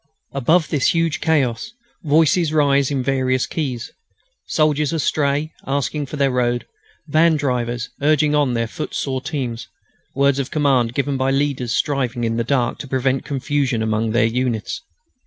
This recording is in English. Above this huge chaos voices rise in various keys: soldiers astray asking their road; van drivers urging on their foot sore teams; words of command given by leaders striving, in the dark, to prevent confusion among their units.